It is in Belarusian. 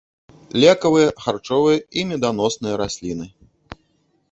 Лекавыя, харчовыя і меданосныя расліны.